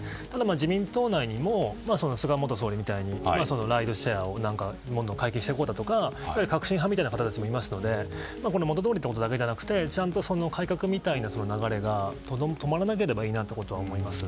自民党内にも菅元総理みたいにライドシェアを解禁していこうだとかあるいは革新派みたいな人たちもいますので元通りというだけじゃなくてちゃんと改革みたいな流れが止まらなければいいなと思います。